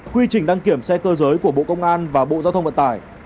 quy trình đăng kiểm xe cơ giới của bộ công an và bộ giao thông vận tải